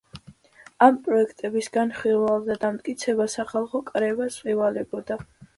ამ პროექტების განხილვა და დამტკიცება სახალხო კრებას ევალებოდა.